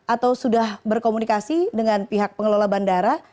atau sudah berkomunikasi dengan pihak pengelola bandara